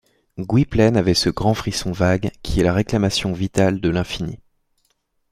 Gwynplaine avait ce grand frisson vague qui est la réclamation vitale de l’infini.